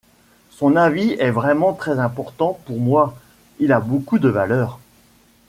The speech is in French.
Son avis est vraiment très important pour moi, il a beaucoup de valeur.